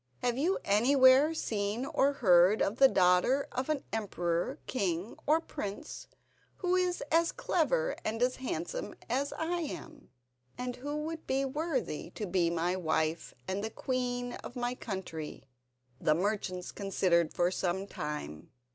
"Have you anywhere seen or heard of the daughter of an emperor, king, or a prince, who is as clever and as handsome as I am, and who would be worthy to be my wife and the queen of my country?" The merchants considered for some time.